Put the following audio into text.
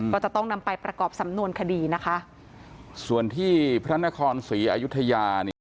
ก็จะต้องนำไปประกอบสำนวนคดีนะคะ